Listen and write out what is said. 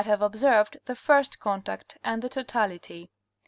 have observed the first contact and the totality.